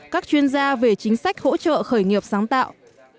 các chuyên gia về chính sách hỗ trợ khởi nghiệp sáng tạo